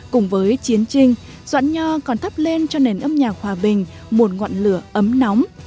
cùng với chiến tranh doãn nho còn thắp lên cho nền âm nhạc hòa bình một ngọn lửa ấm nóng